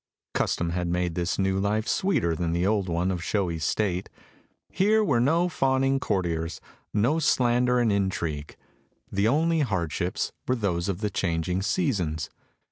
Custom had made this new life sweeter than the old one of showy state. Here were no fawning courtiers, no slander and intrigue; the only hardships were those of the changing seasons.